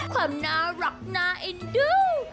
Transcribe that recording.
ความน่ารักน่าเอ็นดู